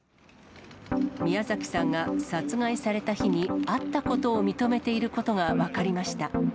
宮崎さんが殺害された日に会ったことを認めていることが分かりました。